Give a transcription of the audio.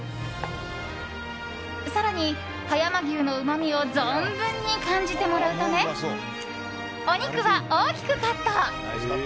更に、葉山牛のうまみを存分に感じてもらうためお肉は大きくカット。